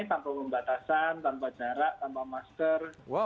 tanpa pembatasan tanpa jarak tanpa masker